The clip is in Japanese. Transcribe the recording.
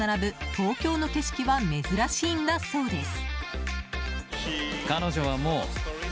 東京の景色は珍しいんだそうです。